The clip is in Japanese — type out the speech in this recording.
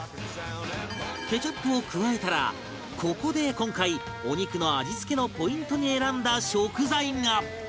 ケチャップを加えたらここで今回お肉の味付けのポイントに選んだ食材が